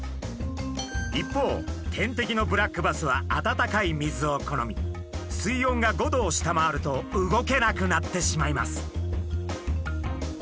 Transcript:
一方天敵のブラックバスは温かい水を好み水温が５℃を下回ると動けなくなってしまいます。